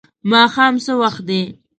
ماښام څه وخت دی؟